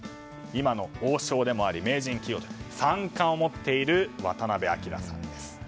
今の王将でもあり、名人、棋王と三冠を持っている渡辺明さんです。